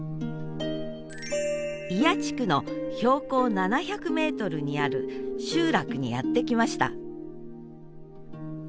祖谷地区の標高７００ｍにある集落にやって来ました。